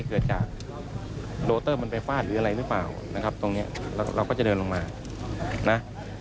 เกิดจากโลเตอร์มันไปฟาดหรืออะไรหรือเปล่าตรงนี้เราก็จะเดินลงมา